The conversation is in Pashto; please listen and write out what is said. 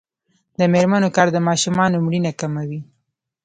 د میرمنو کار د ماشومانو مړینه کموي.